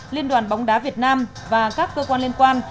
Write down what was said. liên đoàn bóng đá việt nam và các cơ quan liên quan